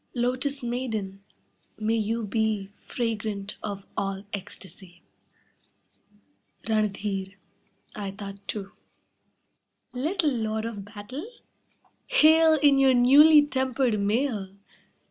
Lotus maiden, may you be Fragrant of all ecstasy. Ranadheera, aetat 2 Little lord of battle, hail In your newly tempered mail!